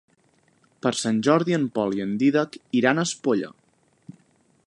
Per Sant Jordi en Pol i en Dídac iran a Espolla.